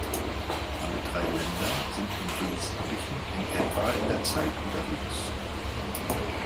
Alle drei Länder sind im wesentlichen in etwa in der Zeit unterwegs.